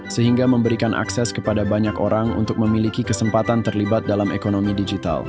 sehingga memberikan akses kepada banyak orang untuk memiliki kesempatan terlibat dalam ekonomi digital